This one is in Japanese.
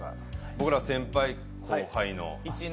僕ら、先輩後輩の。